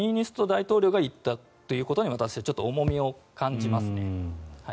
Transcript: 大統領が言ったということに私は重みを感じますね。